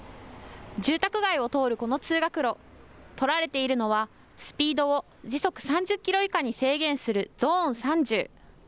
住宅街を通るこの通学路、取られているのはスピードを時速３０キロ以下に制限するゾーン３０。